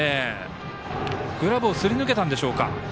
グラブをすり抜けたんでしょうか。